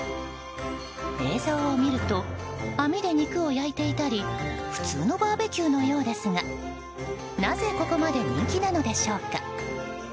映像を見ると網で肉を焼いていたり普通のバーベキューのようですがなぜここまで人気なのでしょうか。